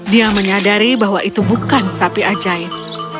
dia menyadari bahwa itu bukan sapi ajaib